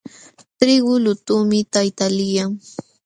Trigu lutuqmi tayta liyan.